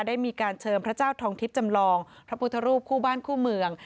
ได้มีการเชิญพระเจ้าทองทิพย์จำลองพระพุทธรูปคู่บ้านคู่เมือง